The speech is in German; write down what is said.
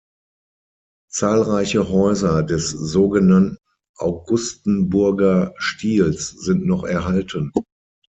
Zahlreiche Häuser des sogenannten Augustenburger Stils sind noch erhalten.